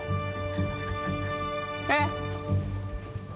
えっ！？